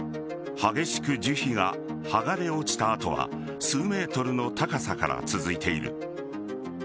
激しく樹脂が剥がれ落ちた跡は数ｍの高さから続いている。